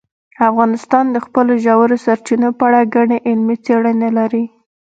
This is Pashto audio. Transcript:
افغانستان د خپلو ژورو سرچینو په اړه ګڼې علمي څېړنې لري.